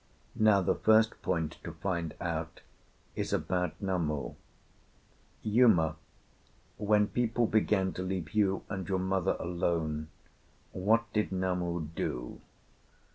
Now, the first point to find out is about Namu. Uma, when people began to leave you and your mother alone, what did Namu do?"